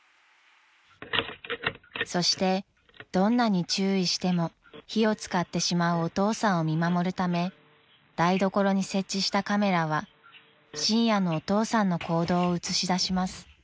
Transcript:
［そしてどんなに注意しても火を使ってしまうお父さんを見守るため台所に設置したカメラは深夜のお父さんの行動を映し出します］